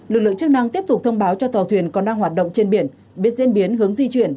lực lượng chức năng tiếp tục thông báo cho tàu thuyền còn đang hoạt động trên biển biết diễn biến hướng di chuyển